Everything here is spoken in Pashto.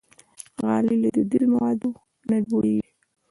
غالۍ له دودیزو موادو نه جوړېږي.